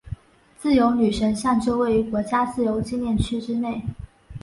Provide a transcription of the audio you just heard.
自由女神像就位于国家自由纪念区之内。